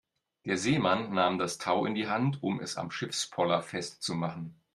Der Seemann nahm das Tau in die Hand, um es am Schiffspoller festzumachen.